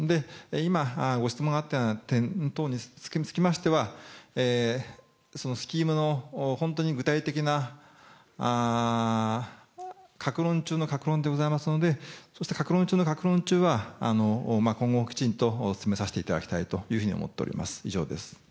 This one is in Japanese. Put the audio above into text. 今、ご質問があった点等につきましては、スキームの本当に具体的菜、各論中の各論でございますので、そして各論中の各論中は、今後、きちんと進めさせていただきたいというふうに思っております。